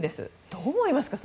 どう思いますか？